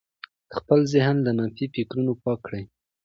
خپل ذهن له منفي فکرونو پاک کړئ.